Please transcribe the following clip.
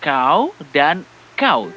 kau dan kau tuan